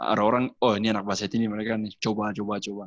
ada orang oh ini anak basket ini mereka nih coba coba coba